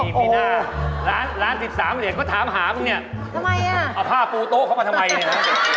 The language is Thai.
นี่พี่น่าร้าน๑๓เดี๋ยวก็ถามหาพวกนี้เอาผ้าปูโต๊ะเขามาทำไมเนี่ย